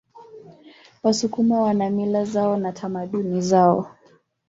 wasukuma wana mila zao na tamaduni zao